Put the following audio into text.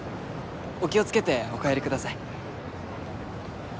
お気をつけてお帰りください